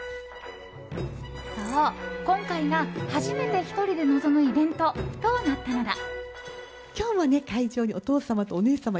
そう、今回が初めて１人で臨むイベントとなったのだ。